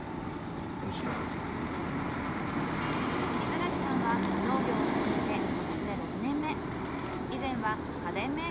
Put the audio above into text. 水柿さんは農業を始めて今年で６年目。